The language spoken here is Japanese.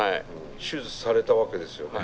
手術されたわけですよね。